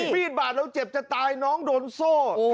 มีดบาดเราเจ็บจะตายน้องโดนโซ่